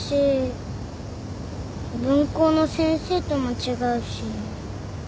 分校の先生とも違うし。